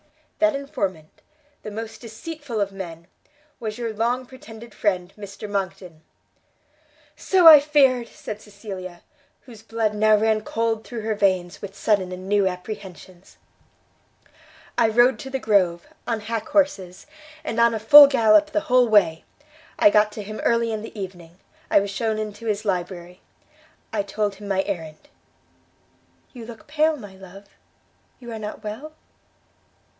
"That informant the most deceitful of men! was your long pretended friend, Mr Monckton!" "So I feared!" said Cecilia, whose blood now ran cold through her veins with sudden and new apprehensions. "I rode to the Grove, on hack horses, and on a full gallop the whole way. I got to him early in the evening. I was shewn into his library. I told him my errand. You look pale, my love? You are not well?